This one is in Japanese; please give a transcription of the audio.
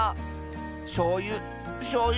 しょうゆしょうゆ